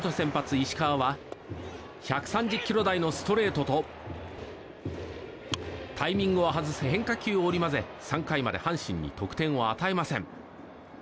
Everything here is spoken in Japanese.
石川は１３０キロ台のストレートとタイミングを外す変化球を織り交ぜ３回まで阪神に得点を与えません。